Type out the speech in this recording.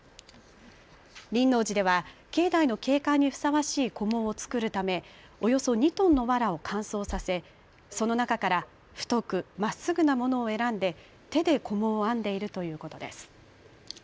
輪王寺では境内の景観にふさわしいこもを作るためおよそ２トンのわらを乾燥させその中から太くまっすぐなものを選んで手でこもを編んでいるということです。